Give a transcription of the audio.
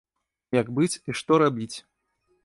Як быць і што рабіць?